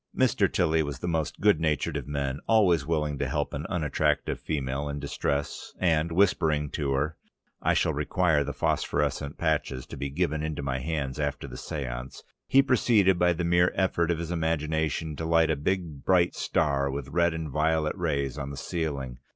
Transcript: Mr. Tilly was the most good natured of men, always willing to help an unattractive female in distress, and whispering to her, "I shall require the phosphorescent patches to be given into my hands after the séance," he proceeded, by the mere effort of his imagination, to light a beautiful big star with red and violet rays on the ceiling.